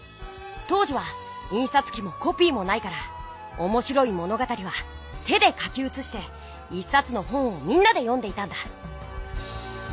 当時はいんさつきもコピーもないからおもしろい物語は手で書きうつして１さつの本をみんなで読んでいたんだ。